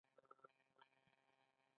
ډېرې زارۍ یې وکړې.